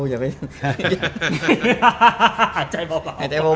หายใจเบา